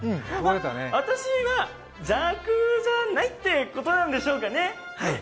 私は邪悪じゃないってことなんでしょうかね。